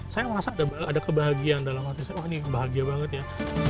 saya merasa ada kebahagiaan dalam arti saya wah ini bahagia banget ya